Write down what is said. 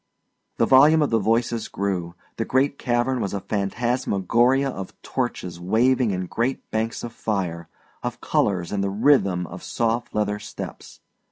The volume of the voices grew; the great cavern was a phantasmagoria of torches waving in great banks of fire, of colors and the rhythm of soft leather steps.